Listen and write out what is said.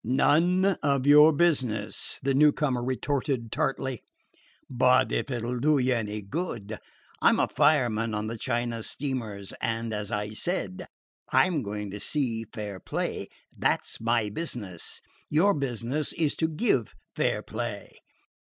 "None of yer business," the newcomer retorted tartly. "But, if it 'll do you any good, I 'm a fireman on the China steamers, and, as I said, I 'm goin' to see fair play. That 's my business. Your business is to give fair play.